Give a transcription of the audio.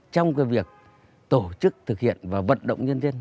trong cái việc tổ chức thực hiện và vận động nhân dân